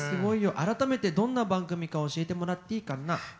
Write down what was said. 改めてどんな番組か教えてもらっていいかな？